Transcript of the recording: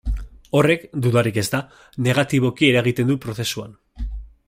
Horrek, dudarik ez da, negatiboki eragiten du prozesuan.